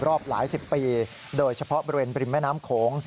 รอบหลายสิบปีโดยเฉพาะบริเวณบริมแม่น้ำโขง